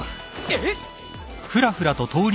えっ！？